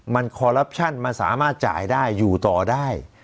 มันคอลลับชั่นมันสามารถจ่ายได้อยู่ต่อได้